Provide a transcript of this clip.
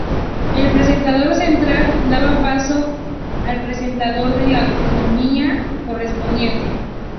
El presentador central daba paso al presentador de la autonómica correspondiente.